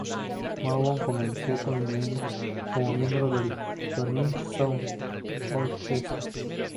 Morrow comenzó como miembro de la "Tonight Show Orchestra".